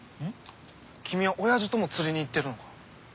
キミは親父とも釣りに行ってるのか。